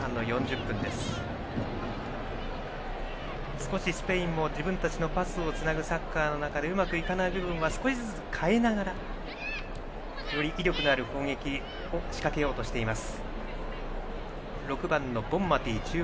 少し、スペインも自分たちのパスをつなぐサッカーの中でうまくいかない部分は少しずつ変えながらより威力のある攻撃を仕掛けようとしています。